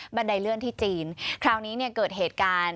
ไดเลื่อนที่จีนคราวนี้เนี่ยเกิดเหตุการณ์